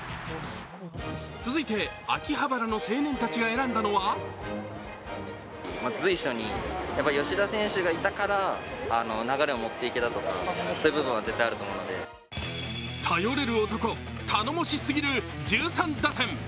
続いて、秋葉原の青年たちが選んだのは頼れる男、頼もしすぎる１３打点。